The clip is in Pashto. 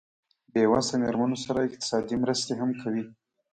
بې وسه مېرمنو سره اقتصادي مرستې هم کوي.